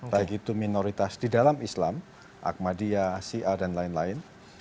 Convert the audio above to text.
baik itu minoritas di dalam islam ahmadiyah sia dan lain lain